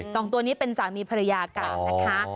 สองตัวนี้เป็นสามีภรรยากันนะคะ